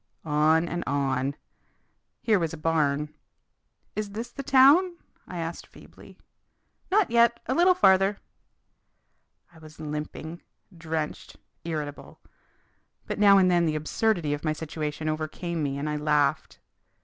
On and on. Here was a barn. "Is this the town?" I asked feebly. "Not yet. A little farther!" I was limping, drenched, irritable. But now and then the absurdity of my situation overcame me and I laughed.